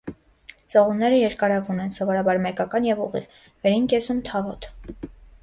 Ցողունները երկարավուն են, սովորաբար մեկական և ուղիղ, վերին կեսում՝ թավոտ։